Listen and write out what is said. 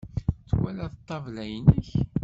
Twalaḍ ṭṭabla-inek?